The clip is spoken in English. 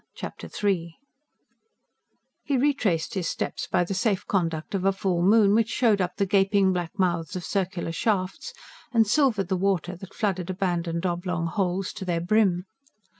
Chapter III He retraced his steps by the safe conduct of a full moon, which showed up the gaping black mouths of circular shafts and silvered the water that flooded abandoned oblong holes to their brim.